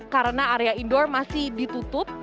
karena area indoor masih ditutup